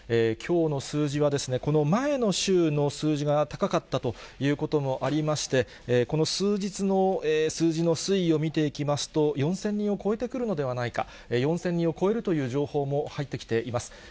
きょうの数字は、この前の週の数字が高かったということもありまして、この数日の数字の推移を見ていきますと、４０００人を超えてくるのではないか、４０００人を超えるという情報も入ってきています。